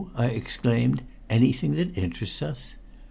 I exclaimed. "Anything that interests us?"